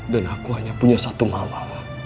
dan aku hanya punya satu mama